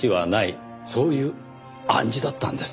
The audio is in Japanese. そういう暗示だったんです。